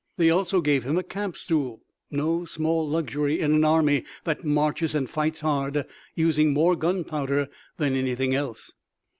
They also gave him a camp stool, no small luxury in an army that marches and fights hard, using more gunpowder than anything else.